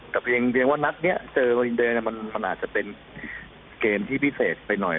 แต่เพียงว่านัดนี้เจอโรอินเดอร์มันอาจจะเป็นเกมที่พิเศษไปหน่อย